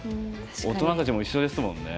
大人たちも一緒ですもんね。